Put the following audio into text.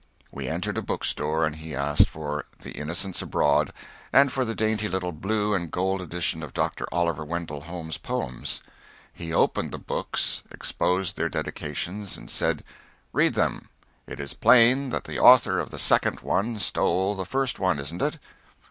We entered a bookstore and he asked for "The Innocents Abroad" and for the dainty little blue and gold edition of Dr. Oliver Wendell Holmes's poems. He opened the books, exposed their dedications and said: "Read them. It is plain that the author of the second one stole the first one, isn't it?"